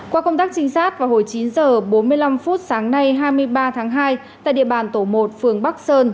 qua công tác trinh sát vào hồi chín h bốn mươi năm sáng nay hai mươi ba tháng hai tại địa bàn tổ một phường bắc sơn